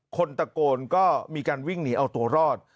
คนตะโกนก็มีการวิ่งหนีเอาตัวรอด